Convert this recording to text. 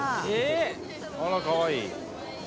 あらかわいい。